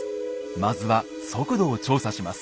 まずは速度を調査します。